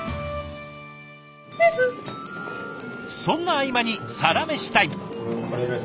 そんな合間にサラメシタイム。